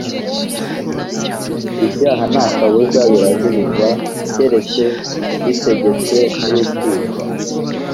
ibyaha nta kabuza birajuririrwa keretse bitegetswe n’urukiko